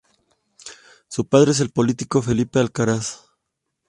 Su padre es el político Felipe Alcaraz.